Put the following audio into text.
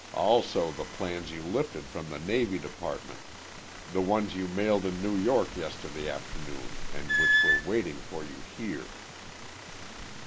Also the plans you lifted from the Navy Department. The ones you mailed in New York yesterday afternoon and which were waiting for you here!"